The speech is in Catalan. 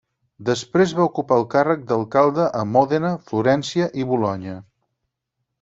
Després va ocupar el càrrec d'alcalde a Mòdena, Florència i Bolonya.